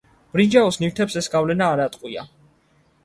ბრინჯაოს ნივთებს ეს გავლენა არ ატყვია.